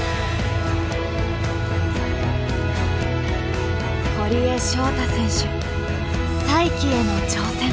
堀江翔太選手再起への挑戦。